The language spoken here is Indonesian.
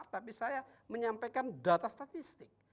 tapi saya menyampaikan data statistik